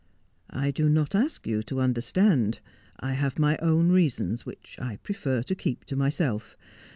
' I do not ask you to understand. I have my own reasons, which I prefer to keep to myself.